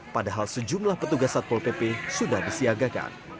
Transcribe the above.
padahal sejumlah petugas satpol pp sudah disiagakan